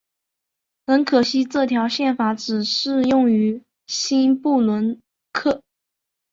很可惜这条宪法只适用于新不伦瑞克。